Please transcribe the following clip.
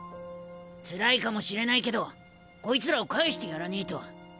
つらいかもしれないけどこいつらを返してやらねえと。